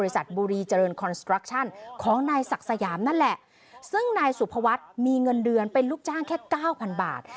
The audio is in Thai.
ซึ่งนายสุภวัฒน์มีเงินเดือนเป็นลูกจ้างแค่๙๐๐๐บาท